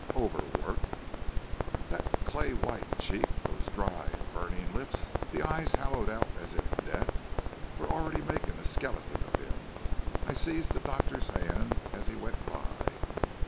"Overwork! that clay white cheek! those dry and burning lips! the eyes hollowed out as if death were already making a skeleton of him! I seized the doctor's hand as he went by.